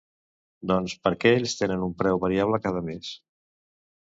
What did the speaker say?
Doncs perquè ells tenen un preu variable cada mes.